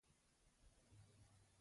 پښتو ښکلې ده